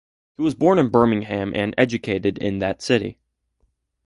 He was born in Birmingham and educated in that city.